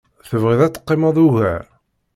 Tebɣiḍ ad teqqimeḍ ugar?